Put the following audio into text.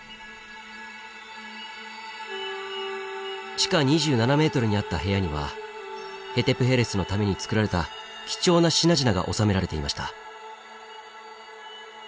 地下２７ｍにあった部屋にはヘテプヘレスのためにつくられた貴重な品々が収められていました。